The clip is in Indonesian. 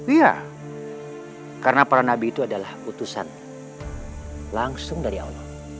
iya karena para nabi itu adalah utusan langsung dari allah